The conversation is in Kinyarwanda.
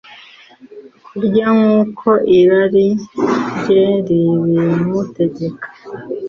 kurya nk’uko irari rye ribimutegeka.